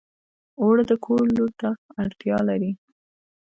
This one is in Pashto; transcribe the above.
اوړه د کور لور ته اړتیا لري